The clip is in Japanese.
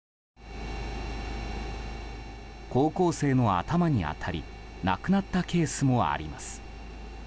高校生の頭に当たり亡くなったケースもあります。